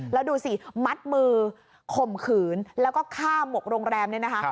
แล้วดูสิมัดมือข่มขืนแล้วก็ฆ่าหมกโรงแรมเนี่ยนะคะ